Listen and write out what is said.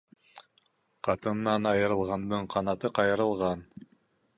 Ҡатынынан айырылғандың ҡанаты ҡайырылған.